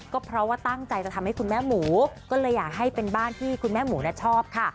ก็เพราะว่าตั้งใจจะทำให้คุณแม่หมูก็เลยอยากให้เป็นบ้านที่คุณแม่หมูชอบค่ะ